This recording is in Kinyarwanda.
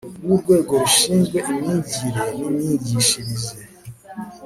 w Urwego rushinzwe imyigire n imyigishirize